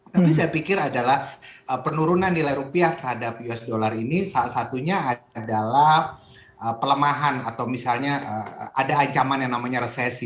tapi saya pikir adalah penurunan nilai rupiah terhadap usd ini salah satunya adalah pelemahan atau misalnya ada ancaman yang namanya resesi